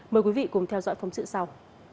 mời quý vị cùng theo dõi phóng sự sau